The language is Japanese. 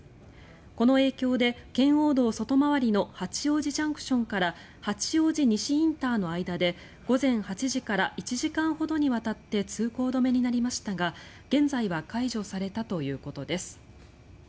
この影響で圏央道外回りの八王子ＪＣＴから八王子西ＩＣの間で午前８時から１時間ほどにわたって通行止めになりましたが現在は解除されたということです。